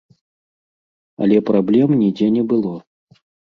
Але праблем нідзе не было.